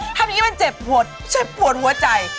ทำอย่างนี้มันเจ็บปวดเจ็บปวดหัวใจ